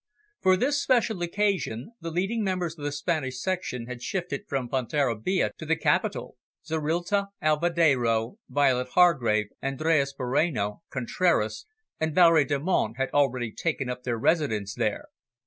For this special occasion, the leading members of the Spanish section had shifted from Fonterrabia to the capital Zorrilta, Alvedero, Violet Hargrave, Andres Moreno. Contraras and Valerie Delmonte had already taken up their residence there.